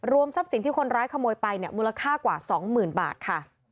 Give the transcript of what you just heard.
รวมทรัพย์สิ่งที่คนร้ายขโมยไปมูลค่ากว่าสองหมื่นบาท